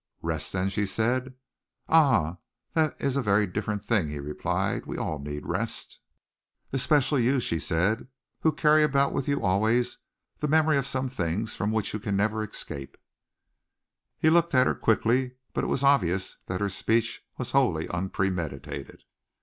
"Rest, then," she said. "Ah! That is a very different thing!" he replied. "We all need rest." "Especially you," she said, "who carry about with you always the memory of some things from which you can never escape." He looked at her quickly, but it was obvious that her speech was wholly unpremeditated.